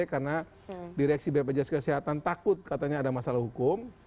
karena direksi bpjs kesehatan takut katanya ada masalah hukum